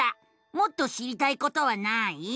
もっと知りたいことはない？